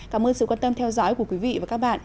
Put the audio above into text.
cảm ơn sự quan tâm theo dõi của quý vị và các bạn